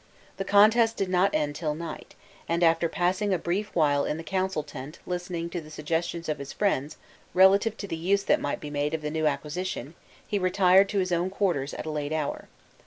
The contest did not end till night; and after passing a brief while in the council tent listening to the suggestions of his friends relative to the use that might be made of the new acquisition, he retired to his own quarters at a late hour.